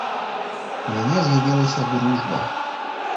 У мяне з'явілася дружба.